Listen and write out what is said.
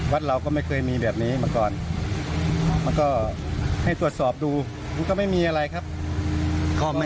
วัดเราก็ไม่เคยมีแบบนี้มาก่อนแล้วก็ให้ตรวจสอบดูมันก็ไม่มีอะไรครับ